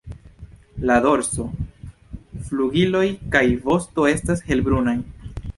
La dorso, flugiloj kaj vosto estas helbrunaj.